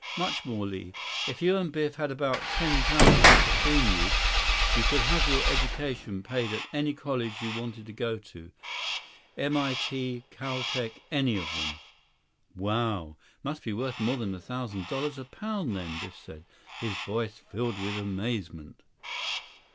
"Much more, Li. If you and Biff had about ten pounds of it between you, you'd have your education paid at any college you wanted to go to—M.I.T., Cal Tech—any of them." "Wow! Must be worth more than a thousand dollars a pound, then," Biff said, his voice filled with amazement.